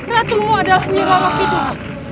ratumu adalah jerorok hidup